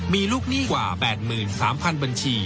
มีลูกหนี้กว่า๘๓๐๐๐บัญชี